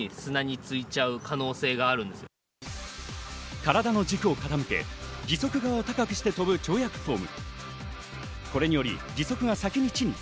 体の軸を傾け、義足側を高くして飛ぶ跳躍フォーム。